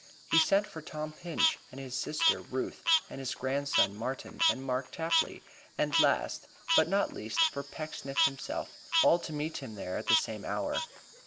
He sent for Tom Pinch and his sister Ruth, for his grandson Martin, and Mark Tapley, and last, but not least, for Pecksniff himself, all to meet him there at the same hour.